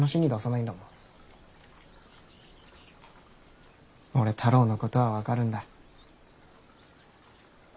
俺太郎のことは分かるんだ。